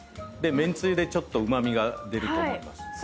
めんつゆでちょっとうま味が出ると思います。